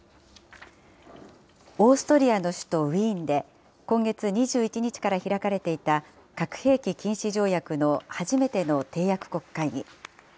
オーストリアの首都ウィーンで、今月２１日から開かれていた、核兵器禁止条約の初めての締約国会議。